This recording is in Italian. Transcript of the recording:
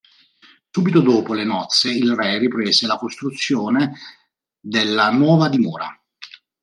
Subito dopo le nozze, il re riprese la costruzione della nuova dimora.